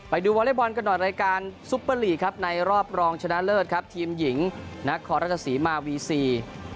วอเล็กบอลกันหน่อยรายการซุปเปอร์ลีกครับในรอบรองชนะเลิศครับทีมหญิงนครราชสีมาวีซี